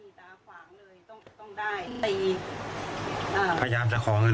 เหมือนเมื่อก่อนแล้วอาการมันมากเลย